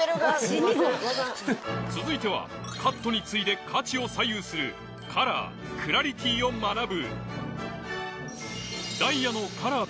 続いてはカットに次いで価値を左右するカラークラリティを学ぶ